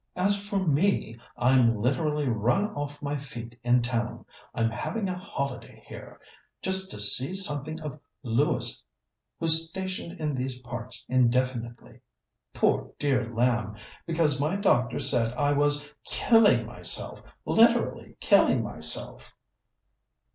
As for me, I'm literally run off my feet in town. I'm having a holiday here just to see something of Lewis, who's stationed in these parts indefinitely, poor dear lamb because my doctor said I was killing myself literally killing myself."